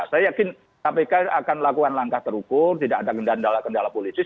saya yakin kpk akan melakukan langkah terukur tidak ada kendala politis